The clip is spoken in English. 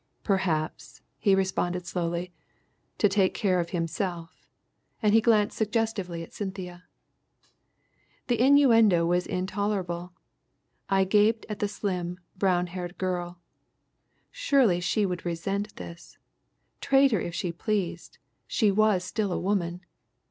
"Perhaps," he responded slowly, "to take care of himself." And he glanced suggestively at Cynthia. The innuendo was intolerable. I gaped at the slim, brown haired girl. Surely she would resent this. Traitor if she pleased, she was still a woman.